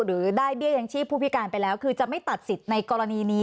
หรือได้เบี้ยยังชีพผู้พิการไปแล้วคือจะไม่ตัดสิทธิ์ในกรณีนี้